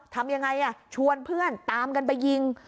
ทำยังไงชวนเพื่อนตามกันไปยิง